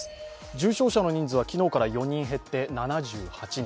重症者の人数は昨日から４人減って７８人。